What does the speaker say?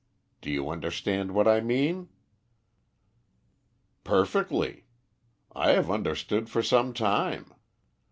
Do you understand what I mean?" "Perfectly. I have understood for some time.